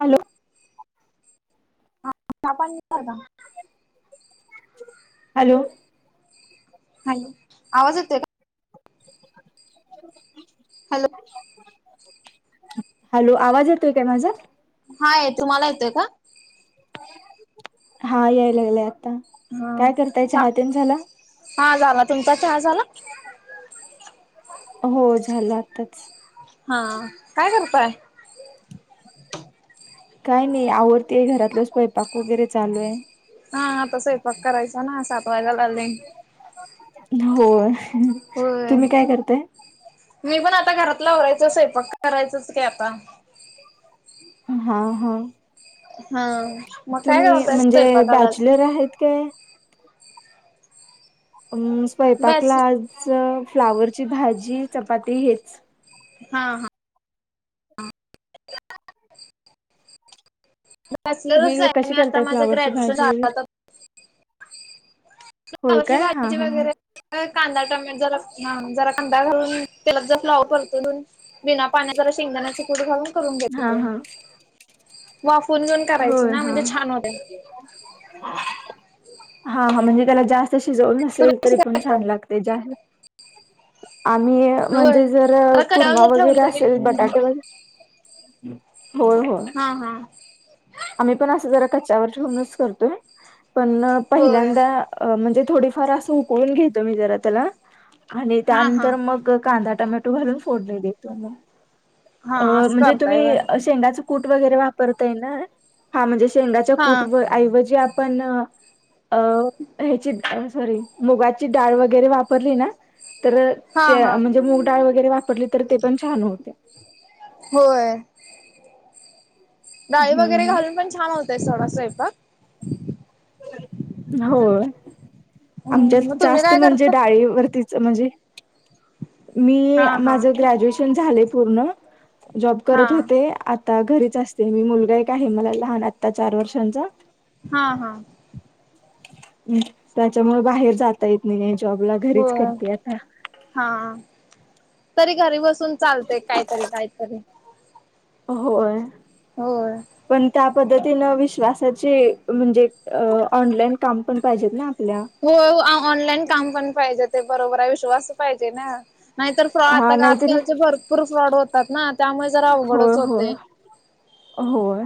Hello. हछ पण का [unintelligible] हॅलो. ह, आवाज येत का? हो [unintelligible] हॅलो हॅलो आवाज येतोय काय माझा हाय तुम्हाला येतोय का हा याय लागलेय आता हा काय करताय चा हतेन झाला हा झाला तुमचा चहा झाला हो झालं आताच हा काय करतोय काय नाही आवडतीय घरातलं स् पैपाक वगैरे चालू आहे च ना साप वाा लाले हो हो तुम्ही काय करताय मी पण आता घरात लावायचचय पक करायचच काय आता हा हा हा. मग काय तुम्ही बनवताय म्हणजे स्वयंपाकाला आज? बॅचलर आहेत काय स्वयंपाकला बॅच आज फ्लावरची भाजी चपाती हेच हा हा तुम्ही बॅचलरच आहे कशी मी आता करताय माझं फ्लावरची ग्रॅज्युएशन झा भाजी वगैरे होय फ्लावरची काय हा भाजी हा हा वगैरे कांदा टमॅट जरा जरा कांदा घालून तेलात जर फ्लाव परतोून बिना पाण्या जरा शेंगदाण्याची कुडी घालून करून हा घ्याते हा वाफून घेऊन करायची होय ना हा म्हणजे छान होते हा हा म्हणजे त्याला जास्त शिजवल नसेल तुम्ही कशी तरी पण छान करताय? लागते जास्त आम्ही होय. म्हणजे जर जरा कढयावर कुर्मा जर ठेवली वगैरे तरी असेल बटाटे वगरे होय होय हा हा आम्ही पण असं जरा कच्च्यावर ठेऊनच करतोय पण होय. पहिल्यांदा म्हणजे थोडीफार असं उकळून घेतो मी जरा त्याला आणि हा हा त्यानंतर मग कांदा टमॅटो घालून फोडलेली तो म हा अ असं म्हणजे करताय तुम्ही होय. शेंगाच कूट वगैरे वापरताय ना हा म्हणजे शेंगाच्या हा कूट व आऐवजी आपण अ ह्याची सॉरी मुगाची डाळ वगैरे वापरली ना तर हा ते हा म्हणजे मूग डाळ वगैरे वापरली तर ते पण छान होते होय डाळी वगैरे हम्म घालून पण छान होतय सथोडा स्वयंपाक हो हम्म मग आमच्यात तुम्ही जास्त काय म्हणजे करता? डाळीवररतीच म्हणजे मी हा हा माझ ग्रॅज्युएशन झाले पूर्ण जॉब हा करत होते आता घरीच असते मी मुलगा एक आहे मला लहान आत्ता चार वर्षांचा हा हा म् त्याच्यामुळे बाहेर जाता येत नाही का जॉबला घरीच होय. करते आता हा तरी घरी बसून चालतय काहीतरी काहीतरी अ होय होर पण त्या पद्धतीनं विश्वासाचे म्हणजे ऑनलाईन काम पण पाहिजेत ना आपल्या हो ऑनलाईन काम पण पाहिजे ते बरोबर विश्वास पाहिजे ना नाहीतर फ्रॉ हा आता नाहीतरी आजकालचे भरपूर फ्रॉड होतात ना त्यामुळे जरा हो अवघडच हो होते. होय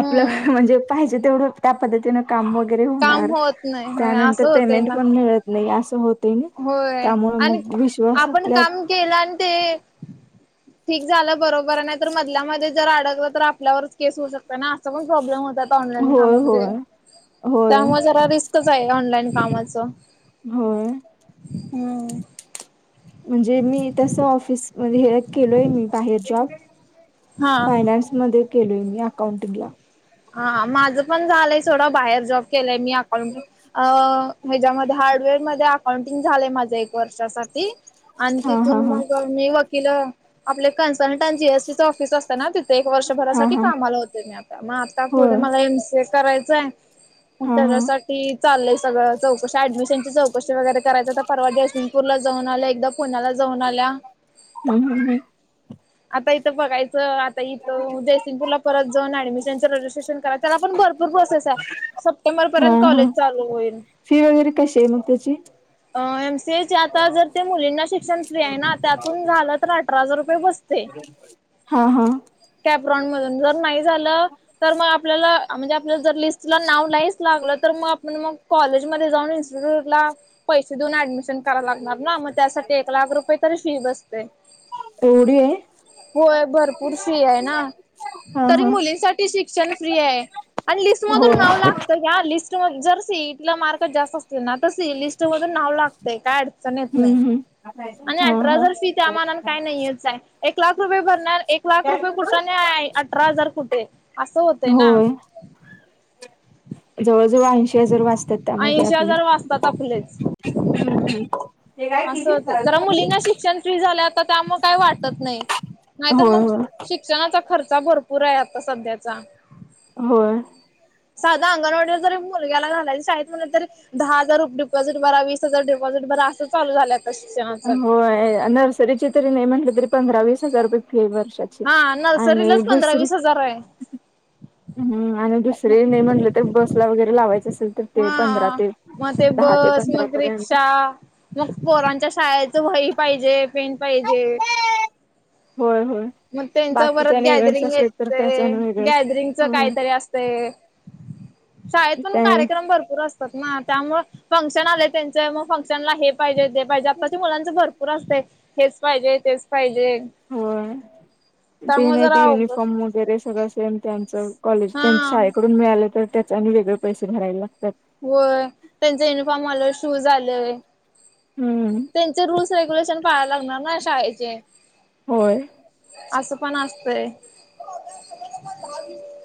आपलं म्हणजे पाहिजे तेवढं त्या पद्धतीन काम वगैरे काम होणार होत नाही होय त्यानंतर असं होतय पेमेंट ना पण मिळत नाही असं होतं ना होय त्यामुळे मग विश्वासातल्या के ते ठीक झालं बरोबर नाही तर मधल्यामध्ये जर अडकलं तर आपल्यावरच केस होऊ शकत ना असं पण प्रॉब्लेम होतात ऑनलाईन होय कामामध्ये होय होय त्यामुळे जरा रिस्कच आहे ऑनलाइन कामाच होय हम् म्हणजे मी तस ऑफिसमध्ये हे केलोय मी बाहेर जॉब हा फायनान्स मध्ये केलोय मी अकाउंटिंग ला हा हा माझं पण झालंय सोडा बाहेर जॉब केलंय मी अकाउंट अ हच्या्यामध्ये हार्डवेअर मध्ये अकाउंटिंग झालंय माझ एक वर्षासाठी आणि हा हा तिथून हा मग मी वकिल आपले कन्सल्टंट जीएसटी चे ऑफिस असत ना तिथे एक हा वर्षभरासाठी हा कामाला होते आता म आता पुढे होय मला एमसीए करायचं आहे मग हा हा त्याच्यासाठी चालय सगळं चौकशी ऍडमिशनची चौकशी वगैरे करायचा तर परवा असेल जयसिंगपूर ला जाऊन आल्या एकदा पुण्याला जाऊन आल्या हम हम हम आता इथं बघायचं आता इथं जयसिंगपूरला परत जाऊन ऍडमिशनच रे इंजेक्शन कराय त्याला पण बरं भरपूर प्रोसेस आहे सप्टेंबर हा पर्यंत कॉलेज हा चालू होईल फी वगैरे कशी आहे मग त्याची एमसीए चे आता जर ते मुलींना शिक्षण फ्री आहे ना त्यातून झालं तर अठरा हजार रुपये बसतय हा हा कॅपरॉन मधून जर नाही झालं तर मग आपल्याला म्हणजे आपल्याला जर लिस्टला नाव नाहीच लागलं तर मग आपण मग कॉलेजमध्ये जाऊन ला पैसे देऊन ऍडमिशन कराय लागणार ना मग त्यासाठी एक लाख रुपये तरी फी बसतय एवढी आहे होय भरपूर फी आहे ना हा तरी हा मुलींसाठी ठि शिक्षण फ्री आहे आणि लिस्ट होय मधुन नाव लागत जर सीईट ला मार्क जास्त असतील ना तर सी लिस्ट मध्ये नाव लागतेय काय अडचण येत हम्म नाही हम्म आणि हा अठरा हा हजार फी त्या मानान काय नाहीच आहे एक लाख रुपये भरणार एक लाख रुपये कुठ नाही अठरा हजार कुठे असं होतंय ना होय जवळ जवळ ऐंशी हजार वाचतात त्यामध्ये ऐंशी आपले हजार वाचतात आपलेच हम्म हम्म असं होत जरा मुलींना शिक्षण फ्री झालं आता त्यामुळे काही वाटत नाही नाहीतर मग होय होय शिक्षणाचा खर्चा भरपूर आहे आता सध्याचा होय साधा अंगणवाडीला जरी मुलग्याला घालायच शाळेत म्हण तरी दहा हजार रुपये डापॉझिट भरा विस हजार डिॉझिट बरा असं चालू झाल्यात अच्छा [unintelligible] होय आणी नर्सरीचे तरी नाही म्हटले तरी पंधरा वीस हजार रुपये फी वर्षात हा आणि नर्सरीलाच पंधरा दुसरी वीस हजार आहे हम्म आणि दुसरे नाही म्हटलं तर बसला वगैरे लावायचं असेल तर ते पंधरा हा ते मग ते दहा बस पंधरा मग पर्यंत रिक्षा मग पोरांच्या शाळेच वई पाहिजे पेन पाहिजे होय होय मग त्यांच बाकीच्या परत इव्हेंट्स गॅदरिंग असले तर त्याच आणि वेगळ च हो असतय शाळेतपण ते कार्यक्रम भरपूर अस ना त्यामुळे फंक्शन आले त्यांच मग फंक्शनला हे पाहिजे पाहिजे आत्ताच्या मुलांच भरपूर असते हेच पाहिजे तेच पाहिजे होय ते त्यामुळे नाही जरा ते अवघड युनिफॉर्म वगैरे सगळं सेम त्यांचं कॉलेज हा तेन शाळेकडून मिळाले तर त्याच्या वेगळे पैसे भरायला लागतात. होय त्यांच युनिफॉर्म आलंय शूज आलंय हम्म चे रूल्स रेग्युलेशन पाळायला लागणार ना शाळेचे. होय असं पण असतय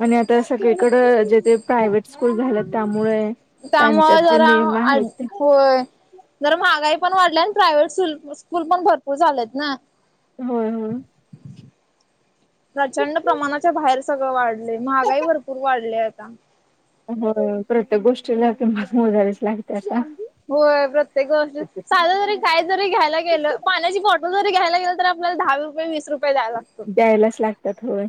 आणि आता सगळीकड जे ते प्रायव्हेट स्कूल झाल्यात त्यामुळे त्यांच्यात त्यामुळ जे जरा नियम आहेत आज ते होय जरा महागाई पण वाढल्या आणि प्रायव्हेट स्कू स्कूल पण भरपूर झालेत ना. होय होय. प्रचंड प्रमाणाच्या बाहेर सगळं वाढलय महागाई भरपूर वाढलय आता. हो. प्रत्येक गोष्टीला तुम्हा मोजायलाच लागतय आता. होय प्रत्येक गोष्टी साधं जरी काय जरी घ्यायला गेलं पाण्याची बॉ जरी घ्यायला गेल तर आपल्याला दहा रुपय, वीस रुपय द्याय लागत. द्यायलाच लागतात होय.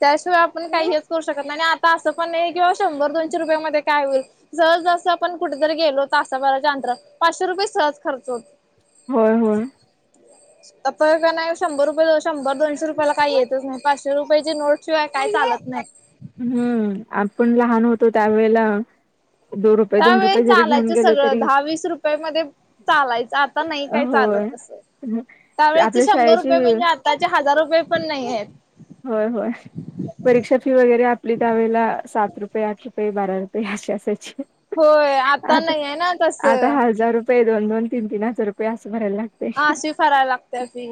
त्याशिवाय आपण काहीच हेच करू शकत नाही आणि आता असं पण नाही किंवा शंभर दोनशे रुपया मध्ये काय होईल. सहज जस आपण कुठेतरी गेलो तासाभराच्या अंतर पाचशे रुपये सहज खर्च हो होय होय. अता का नाही शंभर रुपय शंभर दोनशे रुपयाला काही येतच नाही पाचशे हिजे नोट शिवाय काय चालत नाही. हम्म. आपण लहान होतो त्यावेेळेला दोन रुपये दोन त्यावेळी रुपये जरी घेऊन चालायचं गेलो सगळं. तरी दहा, वीस रुपये मध्ये चालायचं आ आता नाही काय चालत अस. हम्म. त्यावेळच शंभर रुपये म्हणजे आताचे हजार रुपये पण नाही आहेत. होय होय. परीक्षा फी वगैरे आपली त्यावेळेला सात रुपये, आठ रुपये, बारा रुपये अशी असायची. होय. आता नाही आहे ना तसं. हजार आता दोन दोन, तीन हजार रुपय असं भरायला लाग हाशी फरायला लागत्या फी.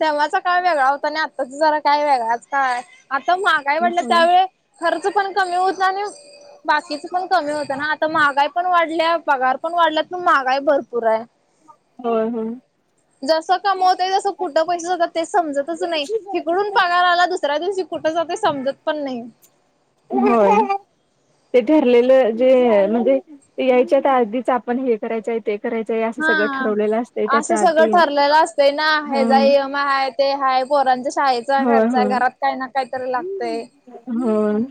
तेव्हाचा काळ वेगळा होता आणि आताचा जरा काय वेगळाच काळ. आता महागाई वाढल्या हो त्यावेळी खर्च पण कमी होत आणि बाकीच पण कमी होतं ना. आता महागाई पण वाढल्या पगार पण वाढल्यात पण महागाई भरपूर हाय. होय होय. जसं कमवत तस कुठं पैसे जातात समजतच नाही हिकडून पगार आला दुसऱ्या दिवशी कुठं जातय समजत पण नाही. होय. ते ठरलेलं जे म्हणजे यायच्या तर आधीच आपण हे करायचं आहे ते करायचंय असं सगळं हा. ठरवलेलं असते असं त्याच्या सगळं आधी ठरलेलं असतंय ना हा ह्याचा इमय हाय ते हाय. पोरांच्या शाळेचा होय खरचा, होय घरात काही ना काय तरी लागतय. होय.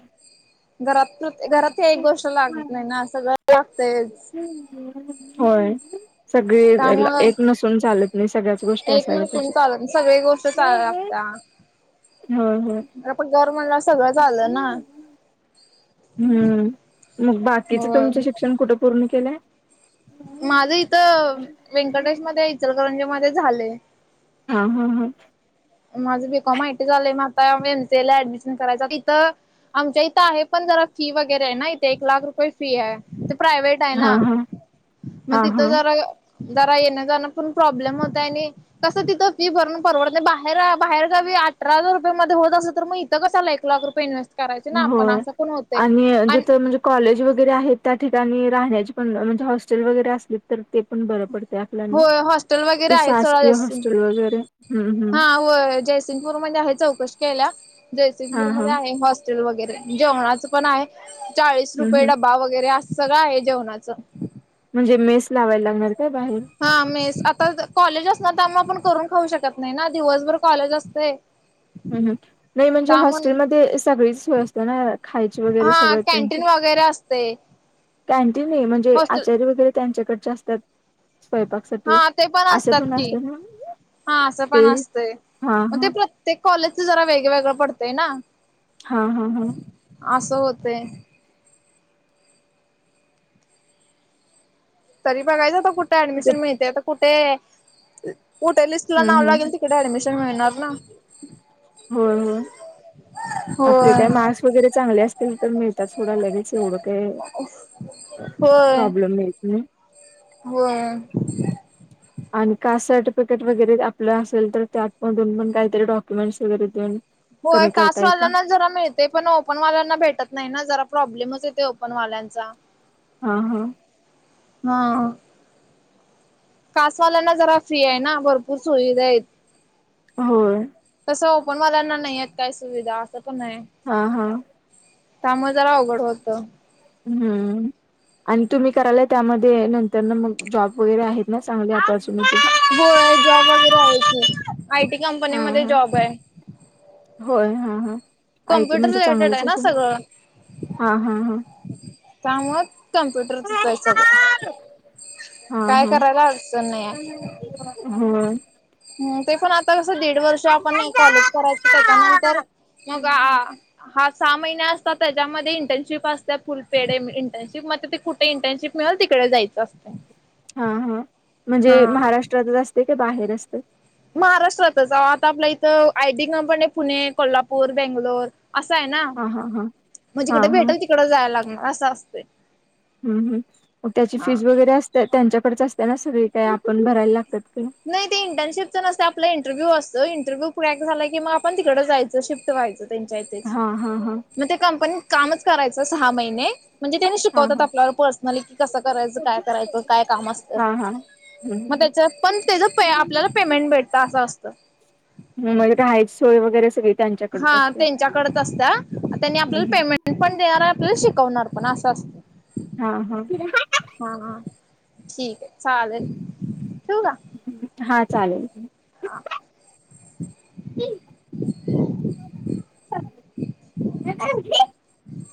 घरात घरात एक गोष्ट लागत नाही ना असं सगळं लागतयच. होय. सगळी त्यामुळं एक नसून चालत नाही सगळ्याच गोष्टी एक असायला नसून पाहिजेत. चालत नाही सगळी गोष्ट चालाय लागत्या हं हं. घर म्हंटल्यावर सगळंच आल ना. हम्म. मग बाकीचं होय. तुमच शिक्षण कुठे पूर्ण केलाय? माझ इथं व्यंकटेश मध्ये इचलकरंजी मध्ये झालय. हा हा हा. माझं बीकॉम आयटी झालंय म आता एमसीला ऍडमिशन करायचं तिथं आमच्या इथं आहे पण जरा फी वगैरे आहे ना इथे एक लाख रुपये फी हाय. ते प्रायव्हेट आहे हा ना हा मग हा तिथं हा जरा जरा येणं जाणं पण प्रॉब्लेम होतय आणि कसं तिथं फी भरून परवडत नाही बा बाहेर बाहेर गावी अठरा हजार रुपय मध्ये होत असं तर मग इथ कशाला एक लाख रुपय इन्हेस्ट करायचे ना आपण होय असं पण होतय आणि जिथं म्हणजे कॉलेज वगैरे आहेत त्या ठिकाणी राहण्याची पण म्हणजे हॉस्टेल वगैरे असली तर ते पण बरं पडत. होय. हॉस्टेल वगैरे आहे सोडा जा हॉस्टेल वगैरे हम्म हम्म हा होय. जयसिंगपूर मध्ये आहे चौकशी केल्या. हा हा जयसिंगपूरमध्ये आहे हॉस [unintelligible] वगैरे जेवणाचं पण आहे. चाळीस हम्म रुपये हम्म डबा वगैरे, असं सगळं आहे जेवणाच. म्हणजे, मेस लावायला लागणार काय बाहेर? हा मेस आता कॉलेज असणार त्यामुळे, आपण करून खाऊ शकत नाही, ना दिवसभर कॉलेज असतयं. ह ह नाही म्हणजे, हॉस्टेलमध्ये सगळीच सोय असत्या ना खायची वगैरे हा सगळं ते? कॅन्टीन वगैरे असतयं. कॅन्टीन नाही म्हणजे, आचारी वगैरे त्यांच्याकडचे असतात? हा स्वयंपाकसाठी ते पण असं असतात, कि. असतं ना हा असं पण ते असतंय? हा मग ते हा प्रत्येक कॉलेजचं जरा वेगवेेगळं पडतंय ना. हा हा हा. असं होतेय. तरी बघायचं आता कुठे तिथे ऍडमिशन मिळतयं कुठे कुठे लि? [unintelligible] नाव हम्म हम्म लागेल तिकडे ऍडमिशन मिळणार ना. होय होय. आपले काय होय मार्क्स वगैरे चांगले असतील, तर मिळतात थोडा लगेच एवढं काय? प्रॉब्लेम येत नाही. व्हय. आणि कास्ट सर्टिफिकेट वगैरे आपलं असेल तर, त्यामधून पण काहीतरी डॉक्युमेंट्स वगैरे देऊन होय, कमी कास्ट करता येते वाल्यांना जरा मिळ मिळतयं, पण ओपनवाल्यांना भेटत नाही ना, जरा प्रॉब्लेमचं येतोय, ओपन वाल्यांचा. हा हा. हा हा. कास्ट वाल्यांना जरा फ्री आहे, ना भरपूर सुविधा आहेत. होय. सो ओपन वाल्यांना नाहीयेत, काय सुविधा असं पण आहे. हा हा. त्यामुळे जरा अवघड होतं. हम. आणि तुम्ही करायला त्यामध्ये, नंतर ना मग जॉब वगैरे आहेत, ना चांगली ऑपॉर्च्युनिटी? होय, जॉब वगैरे आहे की आयटी कंपनी हा मध्ये हा जॉब आहे. होय, हा हा आय टी कम्प्युटर म्हणजे, रिलेटेड आहे चांगलंच असे ना सगळं हा हा हा. त्यामुळे काँम्प्युटरचंचं आहे सगळं. हा काय हा करायला, अडचण नाही. होय हम, ते पण आता कसं दीड वर्ष आपण कॉलेज करायचं त्याच्यानंतर, मग हा सहा महिने असतात, त्याच्यामध्ये इंटर्नशिप असत्या फुल [unintelligible] इंटर्नशिप मग ते कुठे इंटर्नशिप मिळेल, तिकडे जायचं असते. हा हा म्हणजे महाराष्ट्रातच असतयं का बाहेर असतयं? महाराष्ट्रातच आता आपल्या इथं आयटी कंपनी पुणे, कोल्हापूर, बेंगलोर असं आहे ना, हा हा हा मग हा जिकड हा भेटेलं तिकड जायला लागणार असं असतयं. ह ह मग त्याची फीज वगैरे असते, त्यांच्याकडेच असते ना सगळी काही आपण भरायला लागतात का? नाही ते इंटर्नशिपचं नसतयं आपला इंटरव्ह्यू असतोयं इंटरव्ह्यू [unintelligible] झाला, कि म आपण तिकडे जायचं शिफ्ट व्हायचं. त्यांच्या इथेचं, हा हा हा मग ते कंपनीत कामचं करायचं सहा महिने. म्हणजे त्यांनी हा शिकवतात, हा आपल्याला पर्सनली कि कसं करायचं काय करायचं काय काम असतं. ह मग ह. त्याच्यात पण त्याचं प आपल्याला पेमेंट भेटतं असं असतं. म्हणजे, रहायची सोय वगैरे सगळीच. हा त्यांच्याकडेच असत्या त्यांनी हम्म आपल्याला हम्म. पेमेंट [unintelligible] पण देणार आपल्याला शिकवणार पण असं असतयं. हा हा. [unintelligible] हा हा ठीक आहे, चालेल ठेवू का? हा चालेल. हा. ते ह आ.